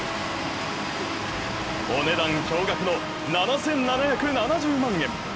お値段、驚がくの７７７０万円。